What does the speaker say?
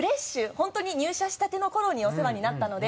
本当に入社したての頃にお世話になったので。